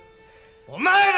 お前ら